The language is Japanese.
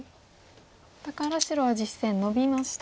だから白は実戦ノビました。